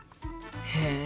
へえ！